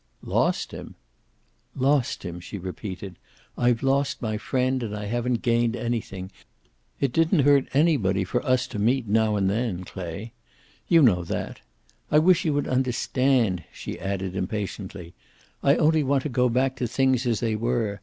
"Lost him!" "Lost him," she repeated. "I've lost my friend, and I haven't gained anything. It didn't hurt anybody for us to meet now and then, Clay. You know that. I wish you would understand," she added impatiently. "I only want to go back to things as they were.